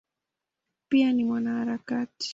Pia ni mwanaharakati.